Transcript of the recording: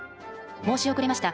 申し遅れました。